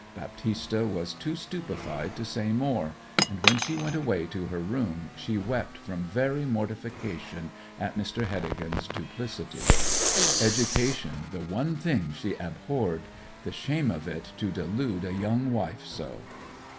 Baptista was too stupefied to say more, and when she went away to her room she wept from very mortification at Mr. Heddegan's duplicity. Education, the one thing she abhorred; the shame of it to delude a young wife so!